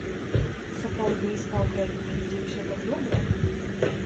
Сапраўды стаў краінай, дзе ўсё так добра?